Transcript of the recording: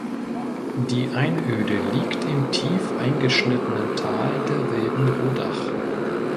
Die Einöde liegt im tief eingeschnittenen Tal der Wilden Rodach.